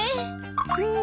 うん。